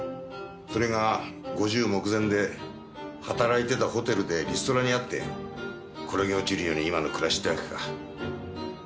それが５０目前で働いてたホテルでリストラにあって転げ落ちるように今の暮らしってわけか。